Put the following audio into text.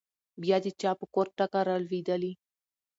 بيا د چا په کور ټکه رالوېدلې؟